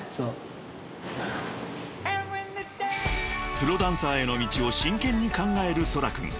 ［プロダンサーへの道を真剣に考える天空君］